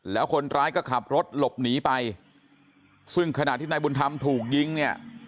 แล้วคนร้ายก็ขับรถหลบหนีไปซึ่งขณะที่นายบุญธรรมถูกยิงเนี่ย